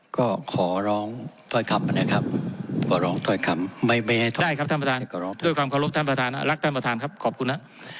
ก็ขอร้องถ้อยคำนะครับขอร้องถ้อยคำไม่ไม่ให้ทอดได้ครับท่านประธานด้วยความเคารพท่านประธานรักท่านประธานครับขอบคุณฮะ